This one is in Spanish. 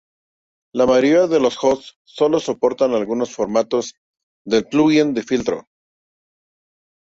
La mayoría de los host solo soportan algunos formatos de plugins de filtro.